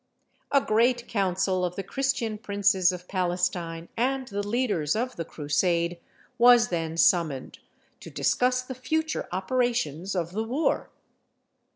] A great council of the Christian princes of Palestine, and the leaders of the Crusade, was then summoned, to discuss the future operations of the war.